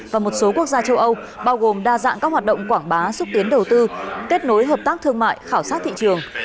và một số quốc gia châu âu bao gồm đa dạng các hoạt động quảng bá xúc tiến đầu tư kết nối hợp tác thương mại khảo sát thị trường